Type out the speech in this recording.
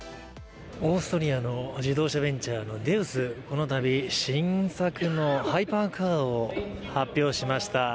オーストリアの自動車ベンチャーのデウス、このたび、新作のハイパーカーを発表しました。